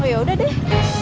oh yaudah deh